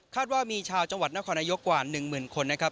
ว่ามีชาวจังหวัดนครนายกกว่า๑หมื่นคนนะครับ